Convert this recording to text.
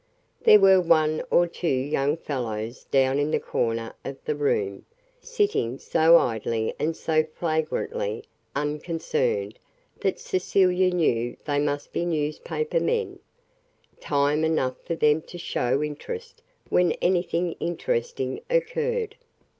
There were one or two young fellows down in the corner of the room, sitting so idly and so flagrantly unconcerned that Cecilia knew they must be newspaper men time enough for them to show interest when anything interesting occurred.